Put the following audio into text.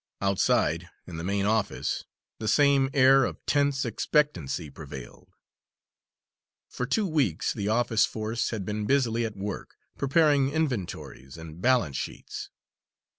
Outside, in the main office, the same air of tense expectancy prevailed. For two weeks the office force had been busily at work, preparing inventories and balance sheets.